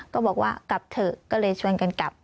ก็บอกว่ากลับเถอะก็เลยชวนกันกลับ